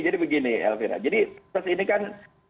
jadi begini elvira jadi proses ini kan